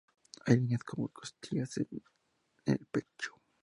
Hay líneas como las costillas en el pecho.